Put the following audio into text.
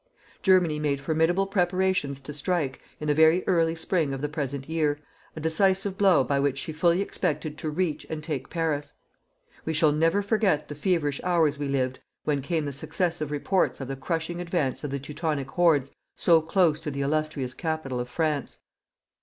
Germany made formidable preparations to strike, in the very early spring of the present year, a decisive blow by which she fully expected to reach and take Paris. We shall never forget the feverish hours we lived when came the successive reports of the crushing advance of the Teutonic hordes so close to the illustrious capital of France.